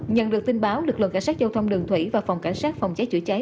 nhận được tin báo lực lượng cảnh sát giao thông đường thủy và phòng cảnh sát phòng cháy chữa cháy